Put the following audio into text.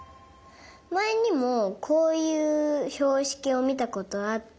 まえにもこういうひょうしきをみたことあって。